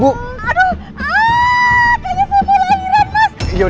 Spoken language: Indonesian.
aduh kayaknya saya mau lanjut mas